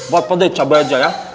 buat pade cabai aja ya